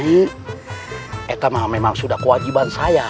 itu memang sudah kewajiban saya